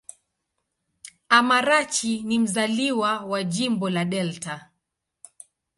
Amarachi ni mzaliwa wa Jimbo la Delta.